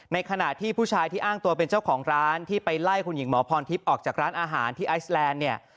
ขณะที่ผู้ชายที่อ้างตัวเป็นเจ้าของร้านที่ไปไล่คุณหญิงหมอพรทิพย์ออกจากร้านอาหารที่ไอซแลนด์เนี่ย